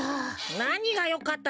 なにが「よかった」だ。